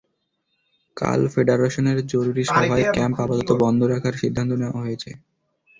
কাল ফেডারেশনের জরুরি সভায় ক্যাম্প আপাতত বন্ধ রাখার সিদ্ধান্ত নেওয়া হয়েছে।